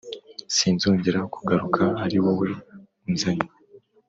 sinzongera kugaruka ari wo unzanye.